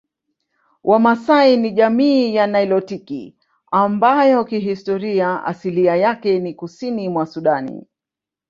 Wamasai ni jamii ya nilotiki ambayo kihistoria asilia yake ni Kusini mwa Sudani